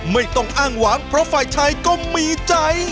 ไม่ต้องอ้างหวังเพราะฝ่ายชายก็มีใจ